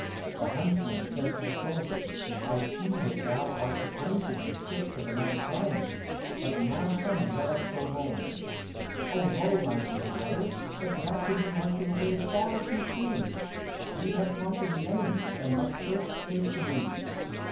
The huntsman said to the soldier, "I see that thou art acquainted with tricks of another kind, but now come and let us go home." "Oho, my dear brother, but that would be marching away far too soon; we have conquered the enemy, and must first take the booty.